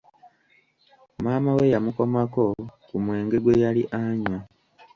Maama we yamukomako ku mwenge gwe yali anywa.